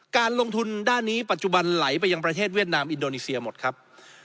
การลงทุนด้านนี้ปัจจุบันไหลไปยังประเทศเวียดนามอินโดนีเซียหมดครับ